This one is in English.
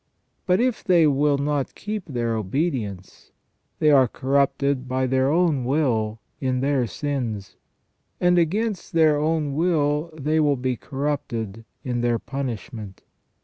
But if they will not keep their obedience, they are corrupted by their own will in their sins ; and against their own will they will be corrupted in their punishment.